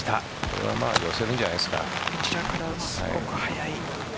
これは寄せるんじゃないですか。